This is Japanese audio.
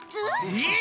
えっ？